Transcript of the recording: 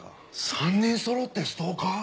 ３人そろってストーカー？